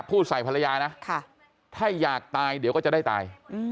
พูดใส่ภรรยานะถ้าอยากตายเดี๋ยวก็จะได้ตาย